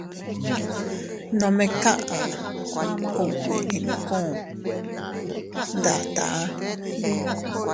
Nome kaʼa ubi inkuu ndataa.